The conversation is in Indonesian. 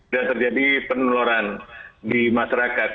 dan terjadi peneloran di masyarakat